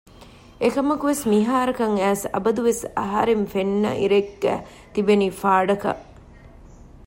އެކަމުވެސް މިހާރަކަށް އައިސް އަބަދު ވެސް އަހަރެން ފެންނަ އިރެއްގައި ތިބެނީ ފާޑަކަށް